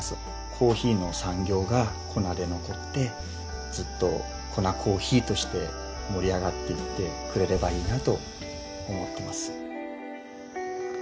コーヒーの産業がコナで残ってずっとコナコーヒーとして盛り上がっていってくれればいいなと思っています